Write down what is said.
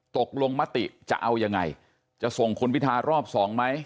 ตกลงมติจะเอายังไงจะส่งคุณพิทารอบสองไหม